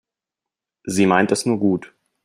Sie meint es nur gut.